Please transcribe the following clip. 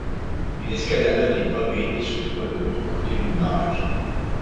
Il escalada les pavés et se trouva de l’autre côté du barrage.